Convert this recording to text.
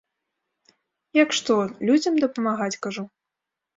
Як што, людзям дапамагаць, кажу.